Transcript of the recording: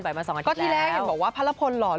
ไบมาสองอาทิตย์แล้วแล้วก็ที่แรกแฟนบอกว่าพระระพลหล่อเลย